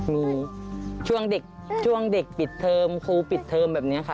มีช่วงเด็กช่วงเด็กปิดเทอมครูปิดเทอมแบบนี้ค่ะ